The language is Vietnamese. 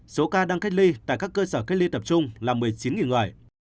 số ca đang cách ly tại các cơ sở cách ly tập trung là một mươi chín người